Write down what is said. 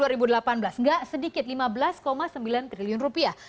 tidak sedikit lima belas sembilan triliun rupiah